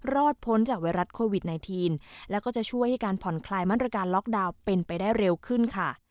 พ้นจากไวรัสโควิด๑๙แล้วก็จะช่วยให้การผ่อนคลายมาตรการล็อกดาวน์เป็นไปได้เร็วขึ้นค่ะ